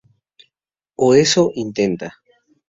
O eso intenta.